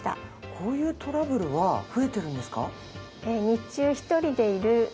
こういうトラブルは増えているんですか？